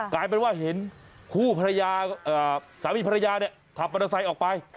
กลายเป็นว่าเห็นคู่ศาลีภรรยาเนี่ย